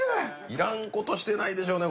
いらんことしてないでしょうね